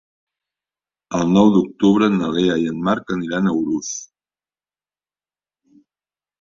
El nou d'octubre na Lea i en Marc aniran a Urús.